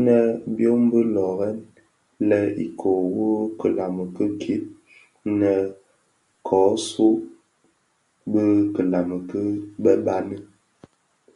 Nnë byom bi löören lè iköö wu kilami ki gib nnë kōsuu bi kilami ki bë bani.